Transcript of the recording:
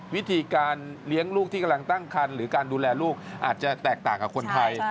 วิธีการเลี้ยงลูกที่กำลังตั้งคันหรือการดูแลลูกอาจจะแตกต่างกับคนไทย